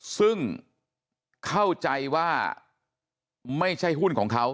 ซึ่งเข้าใจว่าไม่ใช่หุ้นของเขา